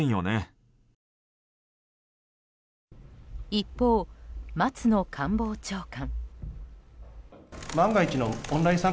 一方、松野官房長官。